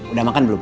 udah makan belum